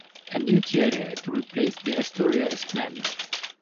A new theatre to replace the Astoria is planned.